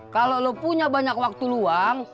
kalau lo punya banyak waktu luang